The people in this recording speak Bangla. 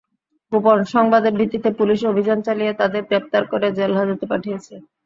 গোপন সংবাদের ভিত্তিতে পুলিশ অভিযান চালিয়ে তাঁদের গ্রেপ্তার করে জেলহাজতে পাঠিয়েছে।